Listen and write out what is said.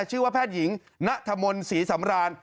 ชื่อว่าแพทย์หญิงนะธมลสรีสำราญ